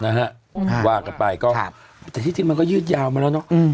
นะฮะว่ากันไปก็แต่ที่จริงมันก็ยืดยาวมาแล้วเนอะ